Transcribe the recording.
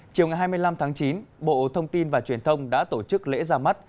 chiều ngày hai mươi năm tháng chín bộ thông tin và truyền thông đã tổ chức lễ ra mắt